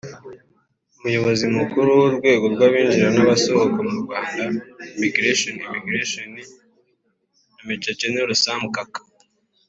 Umuyobozi mukuru w’urwego rw’abinjira n’abasohoka mu Rwanda(Emmigration &immigration) na Maj General Sam Kaka